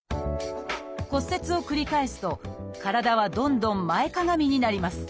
骨折を繰り返すと体はどんどん前かがみになります。